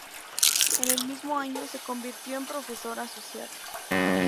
En el mismo año se convirtió en profesor asociado.